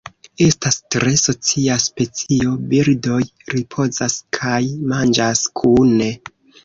Estas tre socia specio, birdoj ripozas kaj manĝas kune.